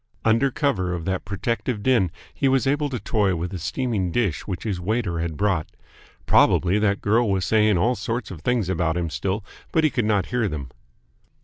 Under cover of that protective din he was able to toy with a steaming dish which his waiter had brought. Probably that girl was saying all sorts of things about him still but he could not hear them.